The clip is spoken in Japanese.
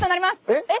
えっ？